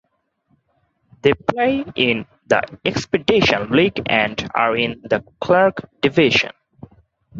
They play in the Expedition League and are in the Clark division.